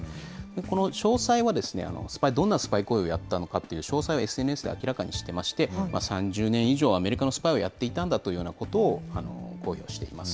この詳細はですね、スパイ、どんなスパイ行為をやったのかという詳細はＳＮＳで明らかにしていまして、３０年以上、アメリカのスパイをやっていたんだというようなことを公表しています。